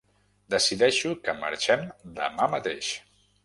Decideixo que marxem demà mateix.